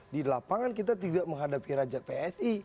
di lapangan kita tidak menghadapi raja psi